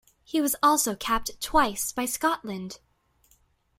He was also capped twice by Scotland.